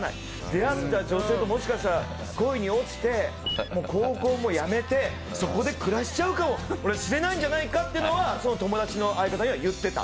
出会った女性ともしかしたら恋に落ちてもう高校もやめてそこで暮らしちゃうかもしれないんじゃないかってのはその友達の相方には言ってた。